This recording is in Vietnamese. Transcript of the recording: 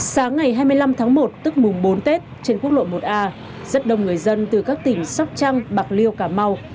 sáng ngày hai mươi năm tháng một tức mùng bốn tết trên quốc lộ một a rất đông người dân từ các tỉnh sóc trăng bạc liêu cà mau